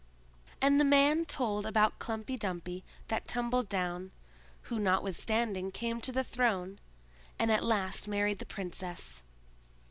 And the man told about Klumpy Dumpy that tumbled down, who notwithstanding came to the throne, and at last married the princess.